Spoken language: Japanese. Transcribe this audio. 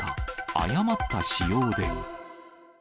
誤った使用で。